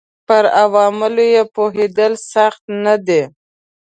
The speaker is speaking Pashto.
پر عواملو یې پوهېدل سخت نه دي